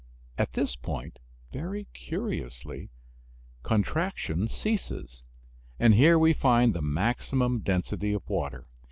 At this point, very curiously, contraction ceases, and here we find the maximum density of water.